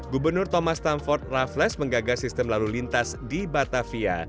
gubernur thomas tamford raffles menggagal sistem lalu lintas di batavia